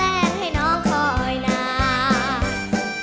แล้วใส่พี่ใส่ไม่มาเอาใจ